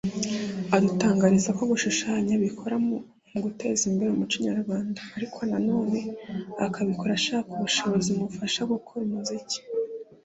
adutangariza ko gushushanya abikora mu guteza imbere umuco nyarwanda ariko na none akabikora ashaka ubushobozi bumufasha gukora umuziki